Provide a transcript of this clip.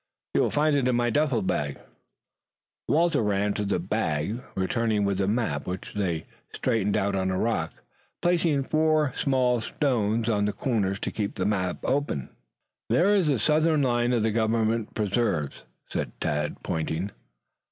You will find it in my dufflebag." Walter ran to the bag, returning with the map, which they straightened out on a rock, placing four small stones on the corners to keep the map open. "There is the southern line of the government preserves," said Tad, pointing.